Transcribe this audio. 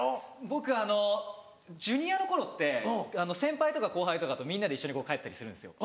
僕あの「Ｊｒ．」の頃って先輩とか後輩とかとみんなで一緒に帰ったりするんですよ。